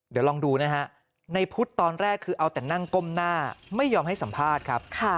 เดี๋ยวลองดูนะฮะในพุทธตอนแรกคือเอาแต่นั่งก้มหน้าไม่ยอมให้สัมภาษณ์ครับ